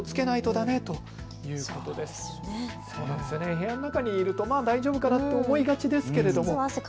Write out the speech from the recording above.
部屋の中にいると大丈夫かなと思いがちですけれども。